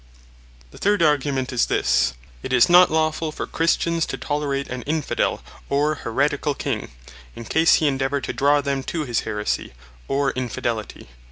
The third Argument is this; "It is not lawfull for Christians to tolerate an Infidel, or Haereticall King, in case he endeavour to draw them to his Haeresie, or Infidelity.